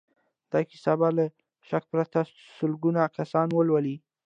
دا کيسې به له شک پرته سلګونه کسان ولولي.